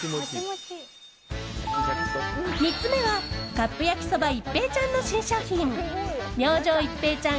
３つ目はカップ焼きそば一平ちゃんの新商品明星一平ちゃん